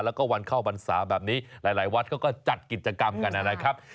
แล้วก็วันเข้าพรรษาแบบนี้หลายวัดเขาก็จัดกิจกรรมกันนะครับ